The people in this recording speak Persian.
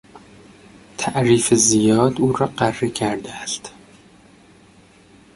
تعریف زیاد او را غره کرده است.